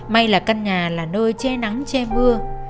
may là căn nhà là nơi che nắng che mưa